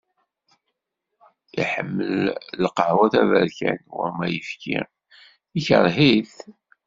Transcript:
Iḥemmel lqahwa taberkant, wama ayefki ikreh-ih.